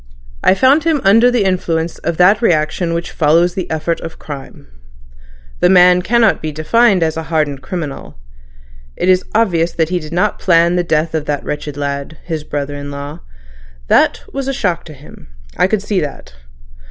I found him under the influence of that reaction which follows the effort of crime. The man cannot be defined as a hardened criminal. It is obvious that he did not plan the death of that wretched lad—his brother in law. That was a shock to him—I could see that.